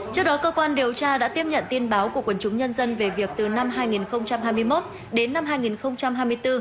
trước đó cơ quan điều tra đã tiếp nhận tin báo của quần chúng nhân dân về việc từ năm hai nghìn hai mươi một đến năm hai nghìn hai mươi bốn